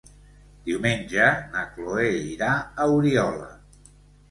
Diumenge na Chloé irà a Oriola.